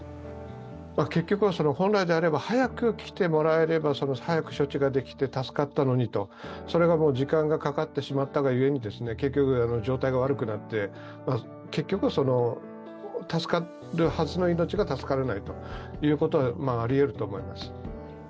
結局はその本来であれば早く来てもらえれば、早く処置ができて助かったのにと、それが時間がかかってしまったがゆえに結局、状態が悪くなって結局は助かるはずの命が助からないということがありえると思います。